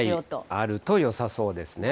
あるとよさそうですね。